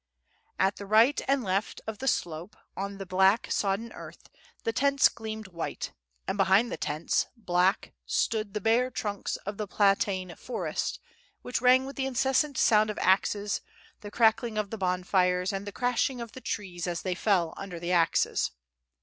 At the right and left of the slope, on the black, sodden earth, the tents gleamed white; and behind the tents, black, stood the bare trunks of the platane forest, which rang with the incessant sound of axes, the crackling of the bonfires, and the crashing of the trees as they fell under the axes.